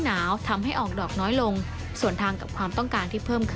หนาวทำให้ออกดอกน้อยลงส่วนทางกับความต้องการที่เพิ่มขึ้น